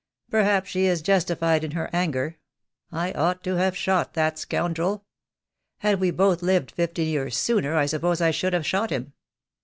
Perhaps she is justified in her anger. I ought to have shot that scoundrel. Had we both lived fifty years sooner I suppose I should have shot him."